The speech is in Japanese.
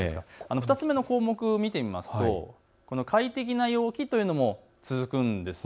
２つ目の項目見ていきますと快適な陽気というのも続くんです。